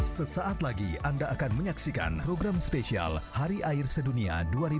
sesaat lagi anda akan menyaksikan program spesial hari air sedunia dua ribu dua puluh